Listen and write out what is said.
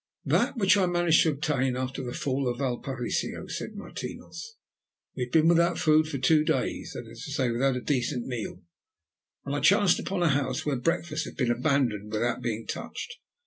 "That which I managed to obtain after the fall of Valparaiso," said Martinos. "We had been without food for two days, that is to say, without a decent meal, when I chanced upon a house where breakfast had been abandoned without being touched.